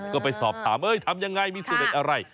ก็ไปสอบถามทำอย่างไรมีสูตรอะไร